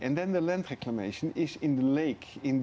dan reklamasi laut itu